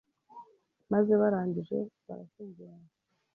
maze barangije ,barashyingiranwa,